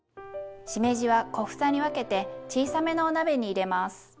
しめじは小房に分けて小さめのお鍋に入れます。